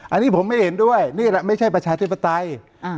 อันนี้ผมไม่เห็นด้วยนี่แหละไม่ใช่ประชาธิปไตย